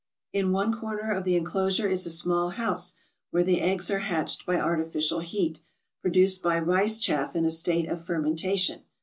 In one corner of the inclosure is a small house, where the eggs are hatched by artificial heat, produced by rice chaff in a state of fer mentation.